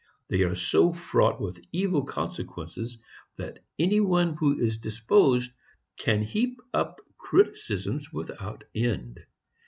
They are so fraught with evil consequences that any one who is disposed can heap up criticisms without end.